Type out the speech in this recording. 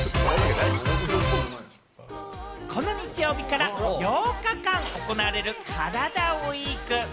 この日曜日から８日間行われる、カラダＷＥＥＫ。